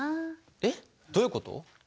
えっどういうこと？